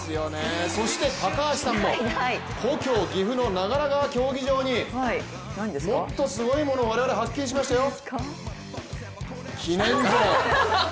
そして、高橋さんも故郷岐阜の長良川競技場に、もっとすごいもの我々発見しましたよ、記念像。